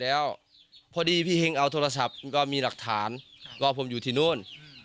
แล้วพอดีพี่เฮงเอาโทรศัพท์ก็มีหลักฐานว่าผมอยู่ที่นู่น